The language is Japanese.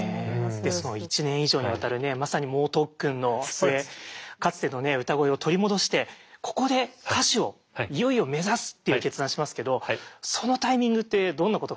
その１年以上にわたるまさに猛特訓の末かつてのね歌声を取り戻してここで歌手をいよいよ目指すっていう決断しますけどそのタイミングってどんなこと考えてたんですか？